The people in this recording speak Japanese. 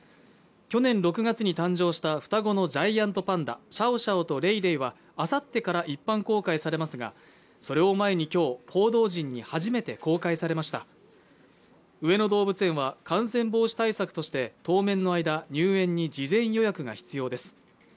去年６月に誕生した双子のジャイアントパンダシャオシャオとレイレイはあさってから一般公開されますがそれを前にきょう報道陣に初めて公開されました上野動物園は感染防止対策として当面の間入園に事前予約が必要です